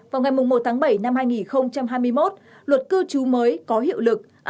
vào ngày một tháng bảy năm hai nghìn hai mươi một luật cư trú mới có hiệu lực